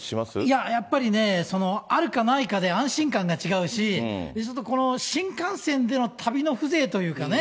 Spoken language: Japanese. いややっぱりね、あるかないかで安心感が違うし、ちょっとこの新幹線での旅の風情というかね、